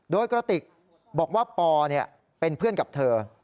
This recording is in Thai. โดยกระติกบอกว่าปอเป็นเพื่อนกับเธอ